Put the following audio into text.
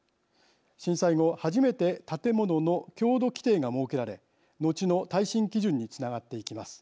震災後初めて建物の強度規定が設けられ後の耐震基準につながっていきます。